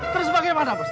terus pake mana bos